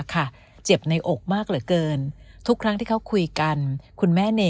เจ็บในอกมากเหลือเกินทุกครั้งที่เขาคุยกันคุณแม่เน